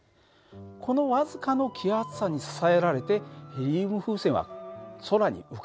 この僅かの気圧差に支えられてヘリウム風船は空に浮かんでいるんですよね。